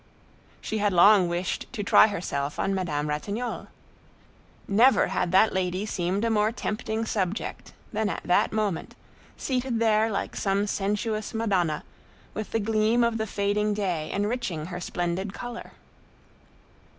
She had long wished to try herself on Madame Ratignolle. Never had that lady seemed a more tempting subject than at that moment, seated there like some sensuous Madonna, with the gleam of the fading day enriching her splendid color.